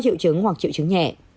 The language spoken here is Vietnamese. triệu chứng hoặc triệu chứng nhẹ